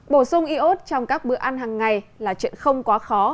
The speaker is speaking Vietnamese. bổ sung iốt trong các bữa ăn hàng ngày là chuyện không quá khó